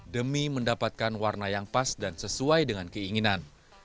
demi mendapatkan warna yang pas dan sesuai dengan keinginan